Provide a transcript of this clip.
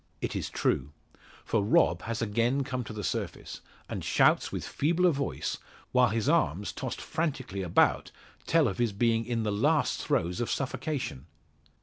It is true. For Rob has again come to the surface, and shouts with feebler voice, while his arms tossed frantically about tell of his being in the last throes of suffocation!